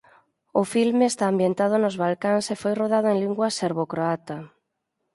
O filme está ambientado nos Balcáns e foi rodado en lingua serbocroata.